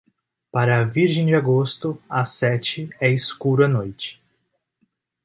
Para a Virgem de agosto, às sete é escuro à noite.